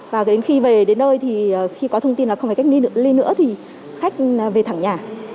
và đến khi về đến nơi thì khi có thông tin là không phải cách ly được ly nữa thì khách về thẳng nhà